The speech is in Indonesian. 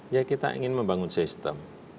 ya kita ingin membangun sistem